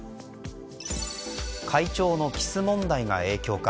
会長のキス問題が影響か。